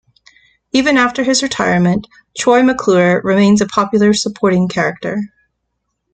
Even after his retirement, Troy McClure remains a popular supporting character.